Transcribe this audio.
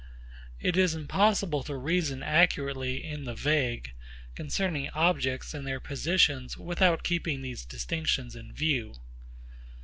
It is impossible to reason accurately in the vague concerning objects and their positions without keeping these distinctions in view.